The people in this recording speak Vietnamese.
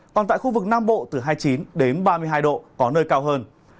còn tại khu vực nam bộ từ hai mươi chín đến ba mươi hai độ có nơi cao hơn